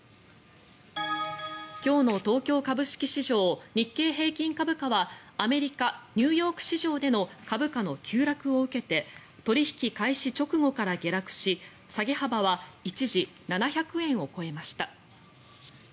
今日の東京株式市場日経平均株価はアメリカ・ニューヨーク市場での株価の急落を受けて取引開始直後から下落し下げ幅は一時、７００円を超えました。